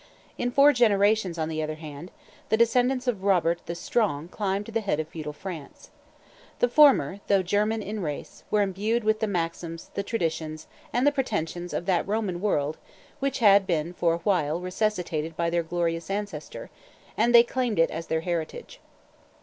In four generations, on the other hand, the descendants of Robert the Strong climbed to the head of feudal France. The former, though German in race, were imbued with the maxims, the traditions, and the pretensions of that Roman world which had been for a while resuscitated by their glorious ancestor; and they claimed it as their heritage.